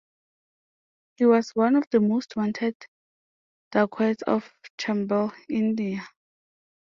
He was one of the most wanted dacoits of Chambal, India.